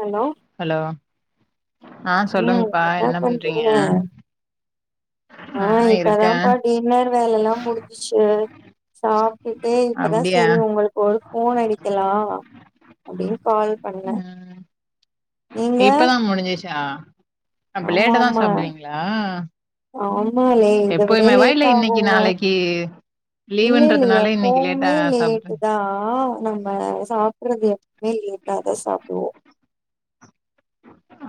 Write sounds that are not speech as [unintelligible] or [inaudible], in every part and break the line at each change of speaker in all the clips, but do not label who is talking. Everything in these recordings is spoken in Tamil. ஹலோ
ஹலோ ஆஹ்
ம்
சொல்லுங்கப்பா என்ன பண்றீங்க ஆ
ஆஹ்
இருக்கே
இப்பதான் டின்னர் வேலலாம் முடிஞ்சிச்சு சாப்பிட்டே இப்பதான்
அப்டியா
செரி உங்களுக்கு ஒரு ஃபோன் அடிக்கலாம் அப்படின்னு கால் பண்ணேன்
இப்பதான் முடிஞ்சிருச்சு ஆ
ஆமா ஆமா ஆமாலே இத விட
எப்பயுமேவா இல்ல
லேட்
இன்னைக்கு
ஆகுங்க
நாளைக்கு
இல்ல இல்ல
லீவுன்றதுனால இன்னைக்கு லேட்டா
எப்போவுமே
சாப்டு
லேட்டு தான் நம்ம சாப்பறது லேட்டா தான் சாப்பிடுவோம்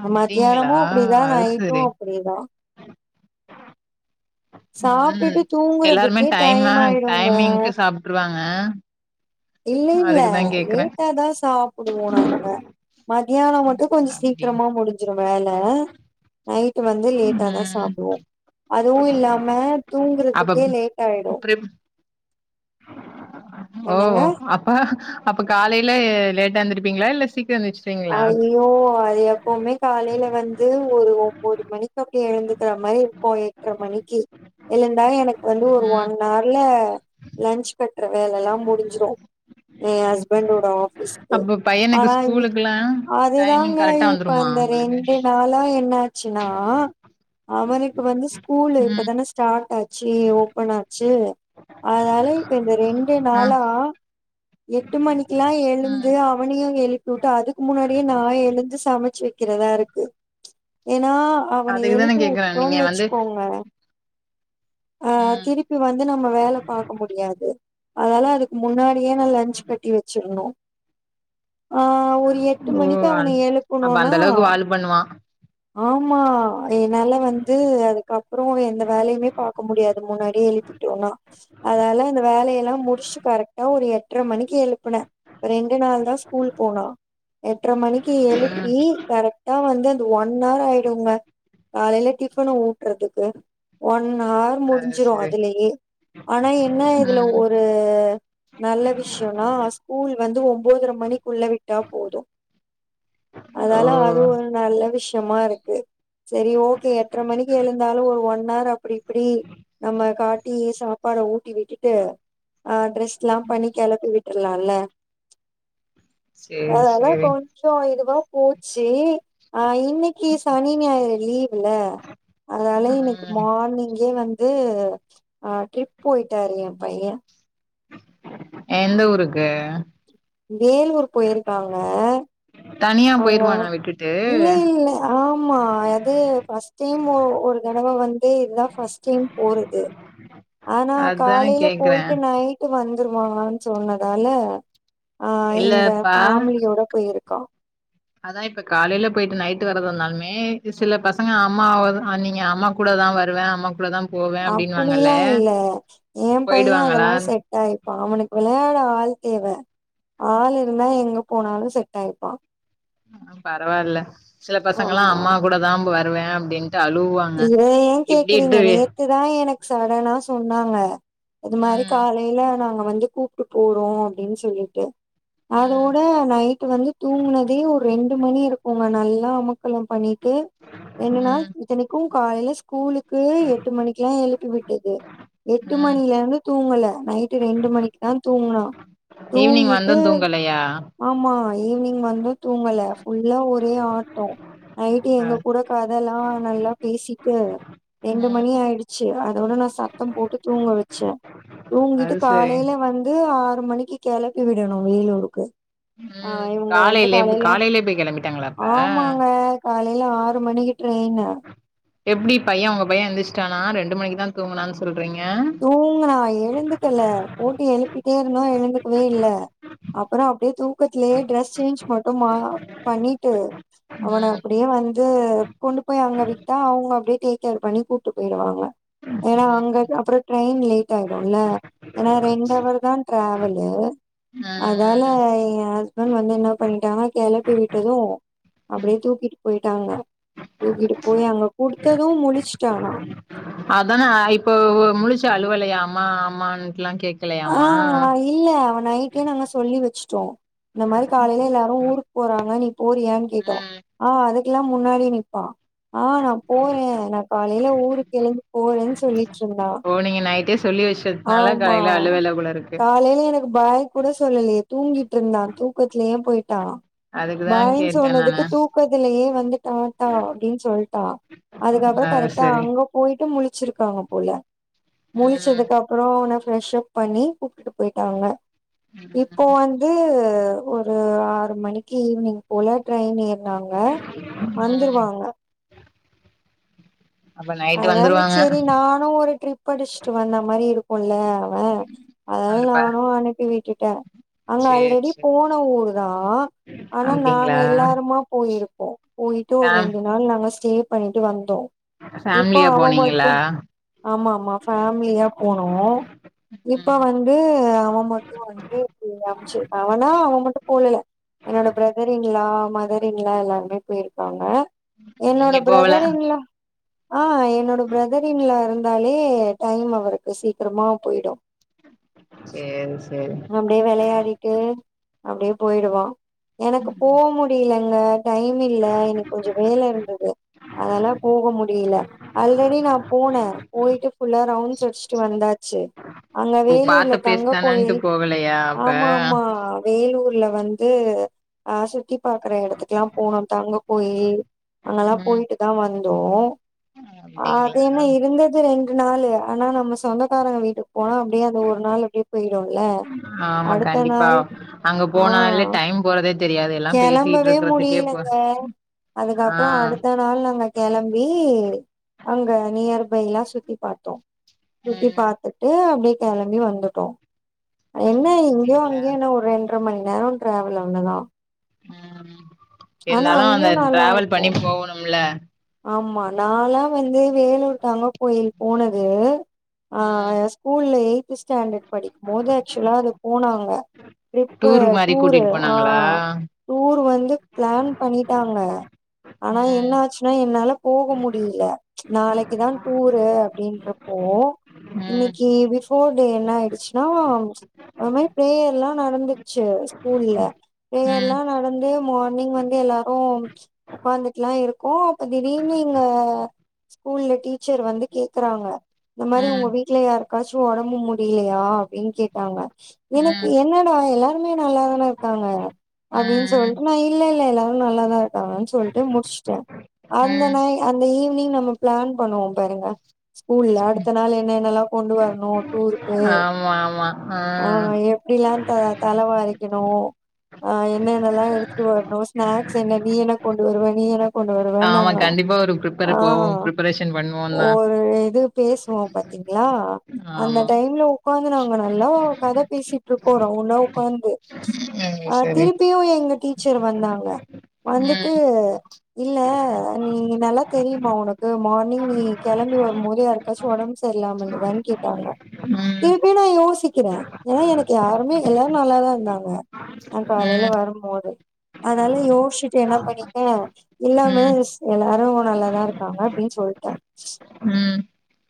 அப்டிங்களா
மத்தியானமூ அப்டிதா
அது
நைட்டூ
சரி
அப்டிதா
ம்
சாப்டுட்டு
எல்லாருமே
தூங்குறதுக்கே டயமாயிடுங்க
ஆ
இல்லேல்லே லேட்டாதா சாப்பிடுவோ நாங்க மத்தியானோ மட்டூ கொஞ்சோ
அப்டி
சீக்கிரமா முடிஞ்சிரூ வேல நைட்டு வந்து லேட்டா தா
ம்
சாப்டுவோ அதுவூ இல்லாம
அப்ப
தூங்குறதுக்கே லேட் ஆயிடூ
ப்ரிப் ஓ அப்ப அப்ப காலையில லேட்டா எந்திருப்பீங்ளா இல்ல சீக்
ஐயோ அது எப்பவ்மே காலையில வந்து ஒரு ஒம்போது மணிக்கு அப்டி எழுந்துக்கிற மாரி இருக்கூ எட்ர மணிக்கி எழுந்தா எனக்கு வந்து ஒரு
ம்
ஒன் ஆர்லே லன்ச் கட்ற வேலலா முடிஞ்சிரூ ஏ ஹஸ்பண்டோட ஆஃபீஸ்க்கு
அப்ப பையனுக்கு
ஆனா இவ்ளுக்
ஸ்கூலுக்குல்லா டைமிங்
அதுதாங்க
கரெக்டா
இப்ப
வந்துருமா
அந்த
உங்களுக்கு
ரெண்டு நாளா என்னாச்சுன்னா அவனுக்கு வந்து ஸ்கூல்
ம்
இப்பதான ஸ்டாட் ஆச் சு ஓப்பன் ஆச்சு அத்னால இப்ப இந்த ரெண்டு
ஆ
நாளா எட்டு மணிக்கில்லா
ம்
எழுந்து அவனையூ எழுப்பி விட்டு அதுக் முன்னாடியே நா எழுந்து சம ச்சி வெக்கிறதாருக்கு எ ன்னா அவன
அதுக்குதான
எழுப்பி
கேக்குறே
உட்டோன்
நீங்க வந்து
வச்சுக்கோங்க ஆ
ம்
திருப்பி வந்து நம்ம வேல பாக்க முடியாது அதல்லாருக் முன்னாடியே நா லன்ச் கட்டி வச்சிரணூ ஆ ஒரு எட் டு
ஓ
மணிக்கு அவன
அந் அப்ப
எழுப்புனோனா
அந்த அளவுக்கு வாலு பண்ணுவா
ஆமா என்னால வந்து அதுக்கப்றோ எந்த வேலையுமே பாக்க முடியாது முன்னாடியே எழுப்பிட்டோனா அதனால அந்த வேலையெல்லா முடிச்சு கரெக்டா ஒரு எட்ர மணிக்கு எழுப்புனே ரெண்டு நாள் தா ஸ்கூல் போனா எட்ர மணிக்கு
ம்
எழுப்பி கரெக்டா வந்து அந் ஒன் ஆர் ஆயிடுங்க காலைலே டிஃபன் ஊட்றதுக்கு ஒ நாள்
அது
முடிஞ்சிடூ
சரி
அதுலேயே ஆனா என்ன இதுல
ம்
ஒரு நல்ல விஷ்யோனா ஸ்கூல் வந்து ஒம்போதர மணிக்குள்ள விட்டா போதூ
ஓ
அதால அது ஒரு நல்ல விஷ்யமாருக்கு செரி ஓகே எட்ர மணிக்கு எழுந்தாலூ ஒ ஒன் ஆர் அப்டி ப்டி நம்ம காட்டி சாப்பாட ஊட்டி விட்டுட்டு ஆ டிரஸ்லா பண்ணி கிளப்பி விட் லால
சேர் செ
கொஞ்சோ இதுவா பூச்சி ஆ இன்னக்கி சனி ஞாயற் லீவுல அதால இன்னைக்கு
ம்
மார்னிங்கே வந் வந்து ஆ ட்ரிப் போயிட்டாரு ஏம் பைய
எந்த ஊருக்கு
வேலூர் போயிருக்காங்க
தனியா
ஆ
போயிருவானா விட்டுட்டு
இல்லே இல்ல ஆமா அது ஃபர்ஸ்ட் டைமு ஒரு தடவ வந்து இதுதா ஃபர்ஸ்ட் டைம் போறது ஆனா
அதான
காலையில
கேக்குறே
போயிட்டு நைட்டு வந்துருவாங்கன் சொன்னதால ஆ எங்க
இல்லப்பா
ஃபேமிலியோட போயிருக்கா
அதா இப்ப காலைல போயிட்டு நைட்டு வர்றதாருந்தாலுமே சில பசங்க அம்மாவ அ நீங்க அம்மா கூட தா வருவ அம்மா கூட தா போவே அப்டின்னுவாங்கல்ல
அப்டில்லா இல்ல ஏம் பைய
போயிடுவாங்களா
அதெல்லா செட் ஆயிப்பா அவனுக்கு விளையாட ஆள் தேவ ஆள் இருந்தா எங்க போனாலு செட் ஆயிப்பா
பரவா இல்ல சில பசங்கல்லா
ஆமா
அம்மா கூட தா போவ வே அப்டின்
இத ஏ கேக்குறீங்க நேத்துதா எனக் சடனா சொன்னாங்க இது மாரி
ம்
காலைல நாங்க வந்து கூப்ட்டு போறோ அப்டின் சொல்லிட்டு
ம்
அதோட நைட்டு வந்து தூங்குனதே ஒரு ரெண் டு மணி இருக்குங்க நல்லா அமக்களம் பண்ணிட் டு என்னனா
ம்
இத்தனைக் கு காலைல ஸ்கூலுக்கு எட்டு மணிக்குல்லா எழுப்பி விட்டது எட்டு
ம்
மணிலேருந்து தூங்கல நைட்டு ரெண்டு மணிக்கு தா தூங்குனா
ஈவினிங் வந்து
தூங்கிட்டு
தூங்கலையா
ஆமா ஈவ்னிங் வந்து தூங்கல ஃபுல்லா ஒரே ஆட்டொ நைட்டு
அ
எங்க கூட க தல்லா நல்லாப் பேசிட்டு ரெண்டு
ம்
மணி ஆயிடுச்சி அதோட நா சத்தம் போட்டு தூங்க வச்சே தூங்கிட்டு
அது சரி
காலைல வந்து ஆறு மணிக் க்கி கெளப்பி விடணு வேலூருக்கு
ம்
ஆஹ் இவுங்க வந்து
காலையிலே
காலைல
காலையிலே போய் கெளம்பிட்டாங்களா அப்ப
ஆமாங்க காலைல ஆறு மணிக்கு ட்ரைனு
எப்டி பைய உங்க பைய எந்த்ருச்சிட்டானா ரெண்டு மணிக்கு தா தூங்குனான் சொல்
தூங்கனா எழுந்துக்கல போட்டு எழுப்பிட்டே இருந்தோ எழுந்துக்கவே இல்ல அப்ற அப்டியே தூங் பக்கத்லயே டிரெஸ் சேஞ்ச் மட்டு மா பண்ணிட்டு அவன
ம்
அப்டியே வந்து த்து கொண்டு போய் அங்க விட்டா அவங்க அப்டியே டேக் கேர் பண்ணி கூட்டு போய்டுவாங்க ஏனா அங்க அப்றப் ட்ரெயின் லேட் ஆயிடுல்ல ஏன்னா ரெண்டவர்தா ட்ரெவல் ஏல
ம்
அதால
ம்
எ [unintelligible] அன் வந்து என்ன பண்ணிட்டாங்க கெளப்பி விட்டது அப்டியே தூக்கிட்டு போய்ட்டாங்க தூக்கிட்டு போய் அங்க குடுத்தது முழச்சுட்டானா
அதான இப்போ முழுச்சு அழுவால்லயா அம்மா அம்மான் ல்லா
ஆ
கேக்கலையாமா
இல்ல அவ நைட்டே நாங்க சொல்லி வச்சுட்டோ இந்த மாரி காலைல எல்லாரு ஊருக்கு போறாங்க நீப் போரியான்னு கேட்டோ
ம்
ஆ அதுக் ல்லா முன்னாடி நிப்பா ஆ, நா போறே நா காலைல ஊருக்கு எழுந்து போறேன்னு சொல்லிட்ருந்தா
ஓ நீங்க நைட்டே சொல்லி வச்சதுனால
ஆமா
காலையில அழுவல போல இருக்கு
காலைல எனக்கு பாய் கூட சொல்லலையே தூங்கிட்ருந்தா தூக்கத்லயே போயிட் டா
அதுக்குதா
பாய்னு
கேட்டே நானு
சொன்னதுக்கு தூக்கத்துலயே வந்து டாட்டா அப்டின்னு சொல்ட்டா அதுக்கபறோ
அது
கரெக்டா
சரி
அங்க போயிட்டு முழுச்சிருக்காங்க போல
ம்
முழச்சதுக்கப் போன ப்ரெஷ் அப் பண்ணி கூப்ட்டுட்டு போயிட்டாங்க இப்போ
ம்
வந்து அ ஒரு ஆறு மணிக்கு ஈவினிங் போல ட்ரெயின் ஏர் நாங்க
ம்
வந்துருவாங்க
அப்ப நைட்டு
அதால
வந்துருவாங்க
செரி நானு ஒரு ட்ரிப் படிச்சுட்டு வந்த மாரி இருக்குல்ல வ அதால
வந்துப்பா
நானு அனுப்பி விட்டுட்டே அங்க
சேரி
ஆல்ரெடி
சேரி
போன ஊர்தா ஆனா நாங்க
அப்டிங்களா
எல்லாருமா போயிருப்போ போயிட்டு ஒரு
ஃபேம்
ரெண்டு நாள் நாங்க ஸ் ஸ்டே பண்ணிட்டு வந்தோ இப்போ
ஃபேமிலியா
அவன் மட்டு
போனீங்களா
ஆமா ஆமா ஃபேமிலியா போனோ இப்ப
ம்
வந்து அவ மட்டும் வந்து [unintelligible] அம்ச்சி அவனா அவ மட்டு போலயா என்னோட brother in law mother in law எல்லாருாமே போயிர்காங்க என்னோட
நீங்க போகல
பிரதர் இன் லா ஆ என்னோட பிரதர் இன் லா இருந் ந்தாலே டைம் அவருக்கு சீக்ரமா போயிடு
சேரி சேரி
அப்டே வெளையாடிட்டு அப்டே போயிடுவா எனக்கு போ முடில அங்க டைம் இல்ல எனக்கு கொஞ்சம் வேல இருந்துது அதனால போக முடில அல்ரெடி நா போன போயிட்டு ஃபுல்லா ரவுண்ட்ஸ் அடிச்ட்டு வந்தாச்சு அங்க
ஓ
வேலூர்ல
பாத்த
தங்க
பிளேஸ் தானன்ட்டு
கோயில்
போகலையா அப்ப
ஆமாம்மா வேலூர் கீழ வந்து ஆ சுத்தி பாக்ற எடத்துக்கலா போனோம் தங்க கோயில் அங்கல்லா
ம்
போயிட்டுதா வந் தோ அது என்ன
அப்டிங்களா
இருந்தது ரெண்டு நாளு ஆனா நம்ம சு தொனக் க்காரங்க வீட்டுக் போனா அப்டியே அந்த ஒரு நாள் அப்டியே போயிடும்ல
ஆமா
அடுத்த
கண்டிப்பா
நாள்
அங்க
ஆ
போனாலே டைம் போறதே தெரியாது எல்லா பேசிட்டு
கெளம்பவே
இருக்கறதுக்கே போ
முடிலங்க
ஆ
அதுக்கப்றோ அடுத்த நாள் நாங்க மே அங்க நியர் பை லா சுத்தி பாத்தோ சுத்தி
ம்
பாத்துட்டு அப்டியே கெளம்பி வந்துட்டோ என்ன இங்கியு
அப்டிங்களா
அங்கியு என்ன ஒரு ரெண்டரை மணி நேரோ டிராவல் [unintelligible]
ம்
ஆனா
இருந்தாலு
அங்கயு
அங்க
நல்லா
ட்ராவல்
இருக்கு
பண்ணி போவுணும்ல
ஆமா நாலா வந்து வேலூர் தாங்க போயி போனது
ம்
ஆஹ் ஸ்கூல்லயே த்து ஸ்டாண்டர்ட் படிக்கும்போது ஆக்ச்சுவலா அங்க போனாங்க ட்ரிப்பு
டூர் மாரி
டூர்ரு
கூட்டிட்டு போனாங்களா
ஆஹ் டூர் வந்து பிளான் பண்ணிட்டாங்க ஆனா
ம்
என்ன ஆச் என்னால போக முடில நாளைக்குதான் டூரு அப்டின்றப்போ
ம்
இன்னிக்கி பிஃப் போர் டே என்ன ஆயிடுச்னா அது மேரி பிரேயர்லா நடந்துச்சு ஸ்கூல்ல
ம்
பிரேயர்லா நடந்து மார்னிங் வந்து எல்லாரு உக்காந்துக்கலாம் இருக் கோ அப்ப திடீர்னு எங்க ஸ்கூல்ல டீச்சர் வந்து கேக்றாங்க இந்த மாரி
ம்
உங்க வீட்ல யார் காச்சும் ஒடம்பு முடிலையா அப்டின்னு கேட்டாங்க எனக்கு
ம்
என்னடா எல்லார் நல்லாதான இருக்காங்க அப்டின்னு
ம்
சொல்லிட்டு நான் இல்லல்லல்ல எல்லா நல்லாதான் னு சொல்லிட்டு முடிச்சிட்டேன் அந்த
ம்
நாய் அந்த ஈவினிங் நம்ம பிளான் பண்ணுவோம் பாருங்க ஸ்கூல்ல அடுத்த நாள் என்னன்னல்லாம் கொண்டு வரணும் டூருக்கு
ஆமா ஆமா ஆ
ஆஹ் எப்படிலாம் தலைவாரிக்கணும் ஆஹ் என்னென்னல்லாம் எடுத்துட்டு வரணும் ஸ்நாக்ஸ் என்ன நீ என்ன கொண்டு டூர்வ நீ என்ன கொண்டு வருவே
ஆமா
நாங்க
கண்டிப்பா ஒரு ப்ரிப்பர் போவோ
ஆஹ்
ப்ரிப்பரேஷன் பண்ணுவோந்தா
ஒரு இது பேசுவோம் பாத்தீங்களா அந்த
ஆமா
டைம்ல உக்காந்து நாங்க நல்லா கத பேசி கோரம் உணவு உக்காந்து
ம்
அஹ்
சரி
திருப்பியும் எங்க டீச் டீச்சர் வந்தாங்க வந்துட்டு
ம்
இல்ல நீ நல்லா தெரியுமா உனக்கு மார்னிங் நீ கெளம்பி வரும்போது யாருக்காச்சும் ஒடம்பு சரியில்லாம இருந்ததான்னு கேட்டாங்களாம்
ம்
திருப்பியும் நான் யோசிக்கிறேன் ஏன்னா எனக்கு யாருமே எல்லாரும் நல்லாதான் இருந்தாங்க நான் காலையில
ம்
வரும் போது அதனால யோசிச்சுட்டு என்ன பண்ணிட்டேன் இல்ல
ம்
மிஸ் எல்லாரும் நல்லாதான் இருக்காங்க அப்படின்னு சொல்லிட்டேன்
ம்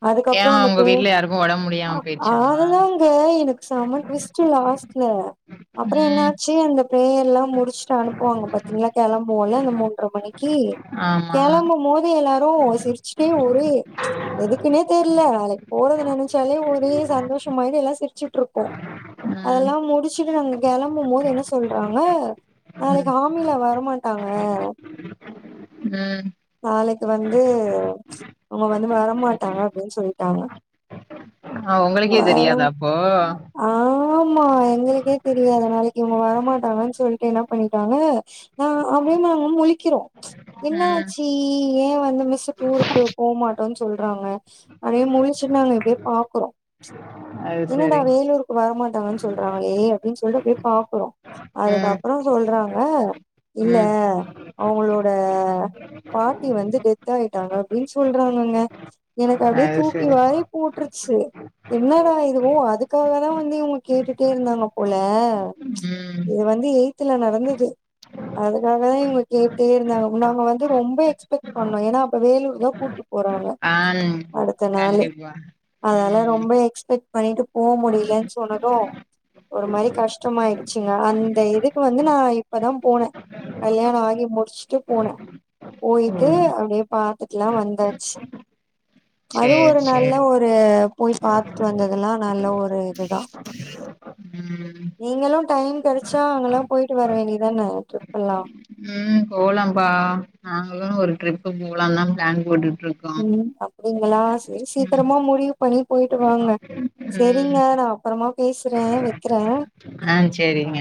அதுக்கப்புறம்
ஏன்
வந்த
உங்க
பே
வீட்ல யாருக்கு ஒடம்பு முடியாம
அத்
போயிடுச்சாமா
அதுதான்ங்க எனக்கு செம்ம ட்விஸ்ட்டு லாஸ்ட்ல அப்புறம்
ம்
என்னாச்சு அந்த ப்ரேயர்லாம் முடிச்சிட்டு அனுப்புவாங்க பாத்தீங்களா கெளம்புவோம்ல இந்த மூன்ற மணிக்கு கி
ஆமா
கெளம்பும் மோது எல்லார்க் தோ சிரிச்சிட்டே ஒரே ப்ச் எதுக்குனே தெர்ல நாளைக்கு போறது நினைச்சாலே ஒரே சந்தோஷமாயி எல்லா சிரிச்சுட்டு இருக்கோ
ம்
அதெல்லாம் முடிச்சுட்டு நாங்க கிளம்பும் போது என்ன சொல்றாங்க நாளைக்கு
ம்
ஆம்னில வரமாட்டாங்க
ம்
நாளைக்கு வந்து ப்ச் அவுங்க வந்து வர மாட்டாங்க அப்டின்னு சொல்லிட்டாங்க
ஆஹ் உங்களுக்கே
வர
தெரியாதா அப்போ
ஆமா எங்களுக்கே தெரியாது நாளைக்கு இவுங்க வரமாட்டாங்கன்னு சொல்ட்டு என்ன பண்ணிட்டாங்க நா அப்படியே நாங்க முழிக்கிறோ ப்ச் என்ன
ம்
ஆச்சு ஏ வந்து மிஸ் டூருக்கு போமாட்டோன்னு சொல்றாங்க அப்படியே முழிச்சுட்டு நாங்க இப்படியே பாக்குறோ ப்ச்
அது
என்னடா
சரி
வேலூருக்கு வரமாட்டாங்கன்னு சொல்றாங்களே அப்படின்னு சொல்றகுள்ளயே பாக்குறோ
ம்
அதுக்கப்புறோ சொல்றாங்க ஆஹ் இல்ல
ம்
அவுங்களோட பாட்டி வந்து டெத் ஆயிட்டாங்க அப்டின்னு சொல்றாங்கங்க எனக்கு அப்படியே
அது
தூக்கி
சரி
வாரி போட் டுருச்சு என்னடா இதுவோ அதுக்காகதா வந்து இவங்க கேட்டுட்டே இருந்தாங்க போல ப்ச்
ம்
இது வந்து எய்த்ல நடந்தது அதுனாலதா இவங்கள கேட்டே இருந்தாங்க நாங்க வந்து ரொம்போ எக்ஸ்பெக்ட் பண்ணோ ஏனா அப்ப வேலூர்தா கூட்டு போறாங்க
ஆ
அடுத்த நாள்
கண்டிப்பா
அதெல்லா ரொம்
ம்
ரொம்ப எக்ஸ்பெக்ட் பண்ணிட்டு போ முடியலன்னு சொன்னது ஒரு மாரி கஷ்டமாயிடுச்சுங்க அந்த இதுக்கு வந்து நா இப்பதா போன கல்யாணோ ஆகி முடிச்சுட்டு போன போயிட்டு
ம்
அப்படியே பாத்துட்டெல்லா வந்தாச்சு அதுவு
சேரி
ஒரு நல்ல
சேரி
ஒரு போய் பார்த்தட்டு வந்ததுெல்லா நல்ல ஒரு இதுதான்
ம்
நீங்களும் டைம் கிடைச்சா அங்கல்லா போயிட்டு வர வேண்டியதானே ட்ரிப் எல்லா
ம் போலம்பா நாங்களும் ஒரு ட்ரிப்பு போலா தான் பிளான் போட்டுட்டு
உம் அப்படிங்களா செரி
ம்
சீக்கிரமா முடிவு பண்ணி போயிட்டு வாங்க
ம்
செரிங்க நான் அப்பறமா பேசுறேன் வைக்கிறேன்
ஆஹ் செரிங்க